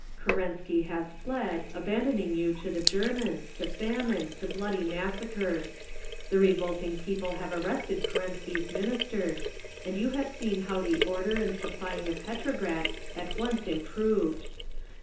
Kerensky has fled, abandoning you to the Germans, to famine, to bloody massacres. The revolting people have arrested Kerensky's Ministers, and you have seen how the order and supplying of Petrograd at once improved.